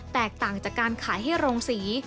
แตกต่างจากการขายให้โรงสี